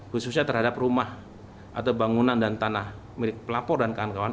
khususnya terhadap rumah atau bangunan dan tanah milik pelapor dan kawan kawan